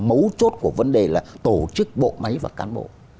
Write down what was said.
mấu chốt của vấn đề là tổ chức bộ máy và cán bộ